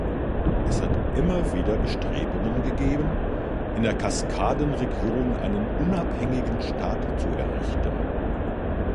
Es hat immer wieder Bestrebungen gegeben, in der Kaskaden-Region einen unabhängigen Staat zu errichten.